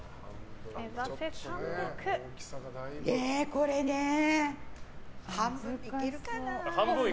これね半分に切るかな。